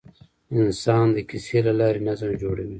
انسان د کیسې له لارې نظم جوړوي.